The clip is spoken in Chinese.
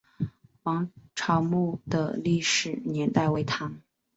王潮墓的历史年代为唐。